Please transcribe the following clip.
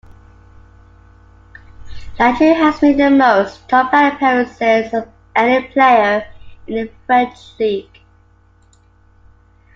Landreau has made the most top-flight appearances of any player in the French league.